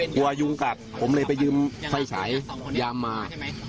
ยุงกัดผมเลยไปยืมไฟฉายำมา